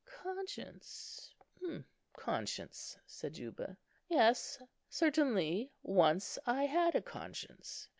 "Conscience, conscience," said Juba. "Yes, certainly, once I had a conscience.